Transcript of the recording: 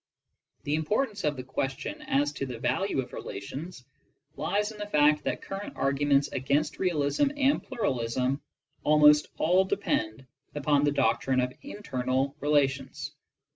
The importance of the question as to the value of relations lies in the fact that current arguments against realism and pluralism al most all depend upon the doctrine of internal relations.